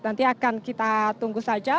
nanti akan kita tunggu saja